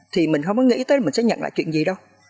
thì mình không có nghĩ tới mình sẽ nhận lại chuyện gì đâu